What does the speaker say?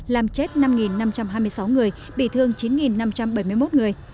làm chết năm năm trăm hai mươi sáu người bị thương chín năm trăm bảy mươi một người